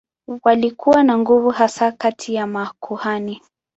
Walikuwa na nguvu hasa kati ya makuhani.